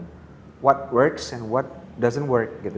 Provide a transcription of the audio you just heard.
apa yang berfungsi dan apa yang tidak berfungsi